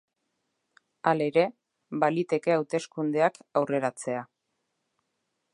Halere, baliteke hauteskundeak aurreratzea.